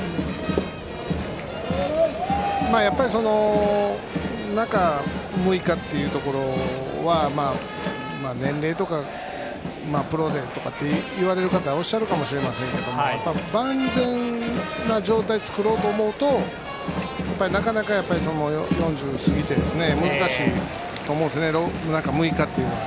やっぱり、中６日というところは年齢とかプロでとかっておっしゃる方いるかもしれませんが万全な状態を作ろうと思うとなかなか４０を過ぎて難しいと思うんですよね、中６日は。